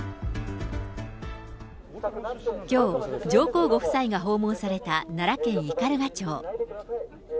きょう、上皇ご夫妻が訪問された奈良県斑鳩町。